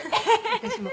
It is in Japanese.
私も。